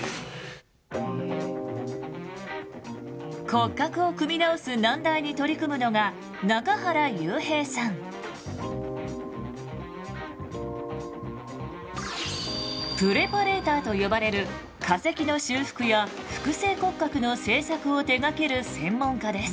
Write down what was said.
骨格を組み直す難題に取り組むのがプレパレーターと呼ばれる化石の修復や複製骨格の製作を手がける専門家です。